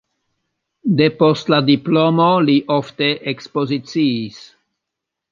Depost la diplomo li ofte ekspoziciis.